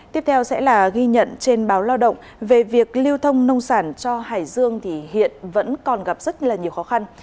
tiếp theo sẽ là ghi nhận trên báo lao động về việc lưu thông nông sản cho hải dương thì hiện vẫn còn gặp rất là nhiều khó khăn